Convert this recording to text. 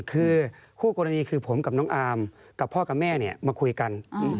คือคู่กรณีคือผมกับน้องอาร์มกับพ่อกับแม่มาคุยกัน